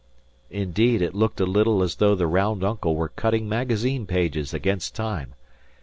Indeed, it looked a little as though the round uncle were cutting magazine pages against time.